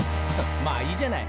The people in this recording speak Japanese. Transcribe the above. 「まあいいじゃない」